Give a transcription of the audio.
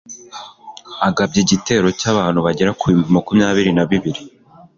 agabye igitero cy'abantu bagera ku bihumbi makumyabiri na bibiri